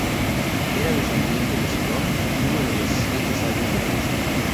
Era descendiente de Solón, uno de los Siete Sabios de Grecia.